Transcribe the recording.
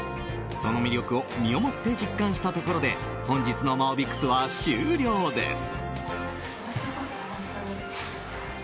その魅力を身をもって実感したところで本日のマオビクスは終了です。